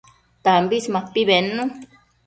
Tambis mapi bednu